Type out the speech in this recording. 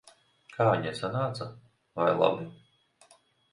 Kā viņai sanāca? Vai labi?